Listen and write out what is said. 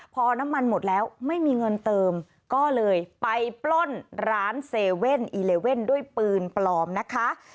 พอน้ำมันหมดแล้วไม่มีเงินเติมก็เลยไปปล้นร้าน๗๑๑ด้วยปืนปลอมนะคะ